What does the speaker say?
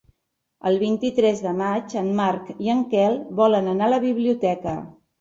El vint-i-tres de maig en Marc i en Quel volen anar a la biblioteca.